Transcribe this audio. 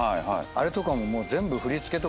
あれとかももう。